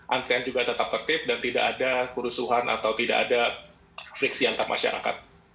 antrian juga tetap tertib dan tidak ada kerusuhan atau tidak ada friksi antar masyarakat